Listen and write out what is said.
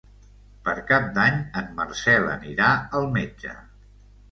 Per Cap d'Any en Marcel anirà al metge.